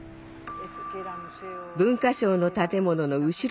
文化省の建物の後ろ